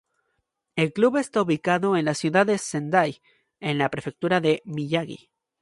El club está ubicado en la ciudad de Sendai, en la prefectura de Miyagi.